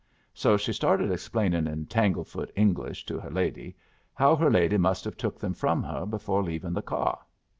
So she started explaining in tanglefoot English to her lady how her lady must have took them from her before leavin' the cyar.